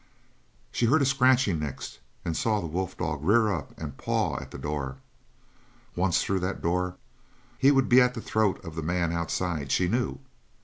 She heard a scratching next and saw the wolf dog rear up and paw at the door. Once through that door and he would be at the throat of the man outside, she knew.